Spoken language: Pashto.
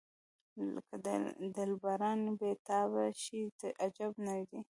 که دلبران یې تابع شي عجب نه دی.